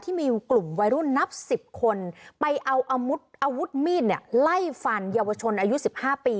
ที่มีกลุ่มวัยรุ่นนับสิบคนไปเอาอาวุธมีดเนี่ยไล่ฟันเยาวชนอายุ๑๕ปี